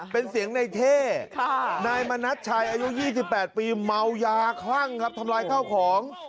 เป็นเสียงในเท่นายมณัชชัยอายุ๒๘ปีเมายาคลั่งครับทำลายข้าวของ